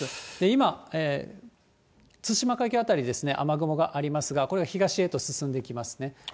今、対馬海峡辺り雨雲がありますが、これが東へと進んできますね。